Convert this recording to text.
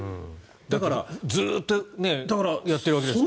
だからずっとやってるわけですもんね。